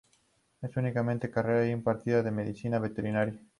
La única carrera allí impartida es Medicina veterinaria.